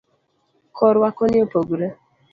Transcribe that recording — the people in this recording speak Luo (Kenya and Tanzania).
korwa koni opogre